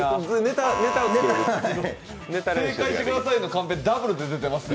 正解してくださいのカンペ、ダブルででてますよ。